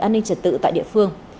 an ninh trật tự tại địa phương